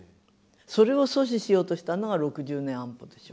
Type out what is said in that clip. それを阻止しようとしたのが６０年安保でしょ。